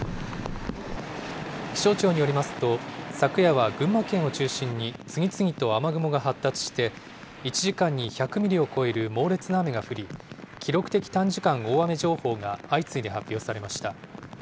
気象庁によりますと、昨夜は群馬県を中心に次々と雨雲が発達して、１時間に１００ミリを超える猛烈な雨が降り、記録的短時間大雨情報が相次いで発表されました。